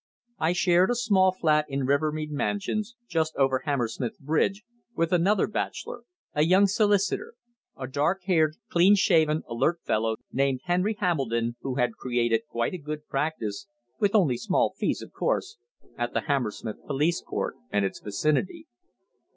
I shared a small flat in Rivermead Mansions, just over Hammersmith Bridge, with another bachelor, a young solicitor a dark haired, clean shaven, alert fellow named Henry Hambledon, who had created quite a good practice, with only small fees of course, at the Hammersmith Police Court and its vicinity.